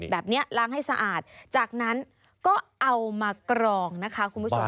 แบบนี้ล้างให้สะอาดจากนั้นก็เอามากรองนะคะคุณผู้ชม